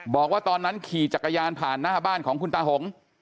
บอกว่าตอนนั้นขี่จักรยานผ่านหน้าบ้านของคุณตาหง